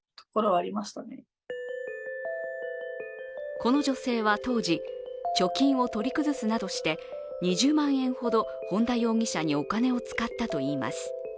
この女性は当時、貯金を取り崩すなどして２０万円ほど本田容疑者にお金を使ったといいます。